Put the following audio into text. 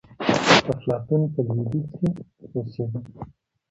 افلاطون په لوېدیځ کي اوسېده.